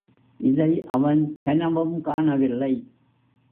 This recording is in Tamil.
இதை அவன் கனவும் காணவில்லை.